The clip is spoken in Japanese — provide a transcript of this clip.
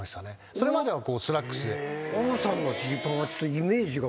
それまではスラックスで。